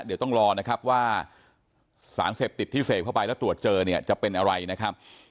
เดี๋ยวต้องรอนะครับว่าสารเสพติดที่เสพเข้าไปแล้วตรวจเจอเนี่ยจะเป็นอะไรนะครับ